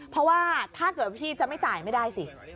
เพราะว่าถ้าเกิดพี่จะไม่จ่ายไม่ได้สิ